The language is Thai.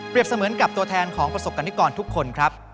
เสมือนกับตัวแทนของประสบกรณิกรทุกคนครับ